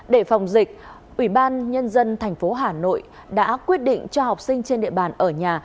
để phòng dịch ubnd tp hà nội đã quyết định cho học sinh trên địa bàn ở nhà